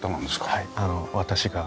はい私が。